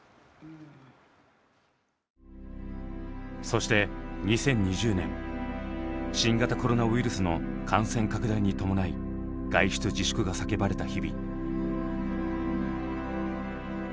そして２０２０年新型コロナウイルスの感染拡大に伴い外出自粛が叫ばれた日々。